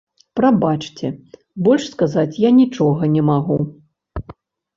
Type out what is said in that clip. Прабачце, больш сказаць я нічога не магу.